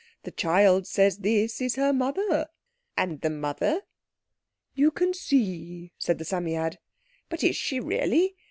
"The child says this is her mother." "And the mother?" "You can see," said the Psammead. "But is she really?